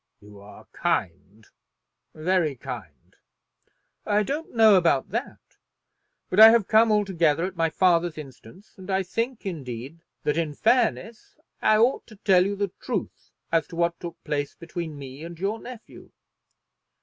"You are kind, very kind." "I don't know about that; but I have come altogether at my father's instance, and I think, indeed, that, in fairness, I ought to tell you the truth as to what took place between me and your nephew."